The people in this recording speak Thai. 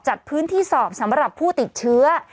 จัดพื้นที่สอบสำหรับผู้ติดเชื้อ